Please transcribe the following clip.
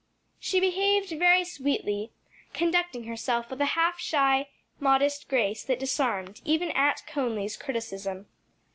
She behaved very sweetly, conducting herself with a half shy, modest grace that disarmed even Aunt Conly's criticism.